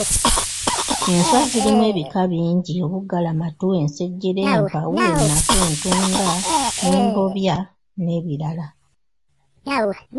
Enswa zirimu ebika bingi: obuggalamatu, ensejjere, empawu, ennaka, entunda, embobya n’ebirala.